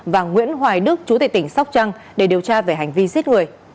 và nguyễn hoài đức chủ tịch tỉnh sóc trăng để điều tra về hành vi giết người